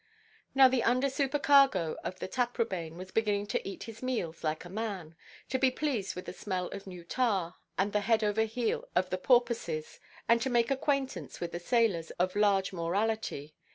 Now the under–supercargo of the Taprobane was beginning to eat his meals like a man, to be pleased with the smell of new tar, and the head–over–heel of the porpoises, and to make acquaintance with sailors of large morality.